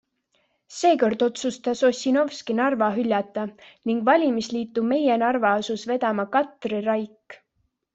Seekord otsustas Ossinovski Narva hüljata, ning valimisliitu Meie Narva asus vedama Katri Raik.